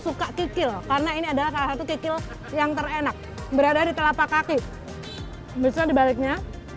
suka kikil karena ini adalah salah satu kikil yang terenak berada di telapak kaki besar dibaliknya